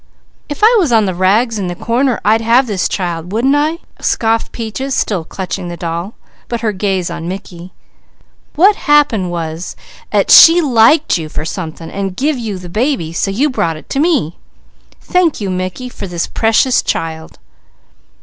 "If I was on the rags in the corner, I'd have this child wouldn't I?" scoffed Peaches, still clutching the doll, but her gaze on Mickey. "What happened was, 'at she liked you for something, and give you the baby, so you brought it to me. Thank you Mickey, for this Precious Child!"